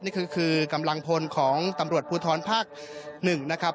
นี่คือกำลังพลของตำรวจภูทรภาค๑นะครับ